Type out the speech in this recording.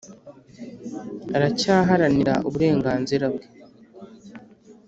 aracyaharanira uburenganzira bwe